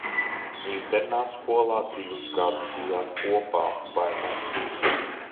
Internātskolā divus gadus bijāt kopā, vai ne?